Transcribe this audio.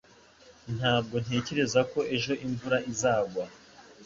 Ntabwo ntekereza ko ejo imvura izagwa.